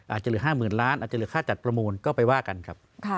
อาจจะเหลือ๕๐๐๐ล้านอาจจะเหลือค่าจัดประมูลก็ไปว่ากันครับ